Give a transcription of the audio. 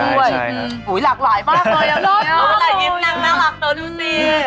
หลากหลายมากเลยน่ารัก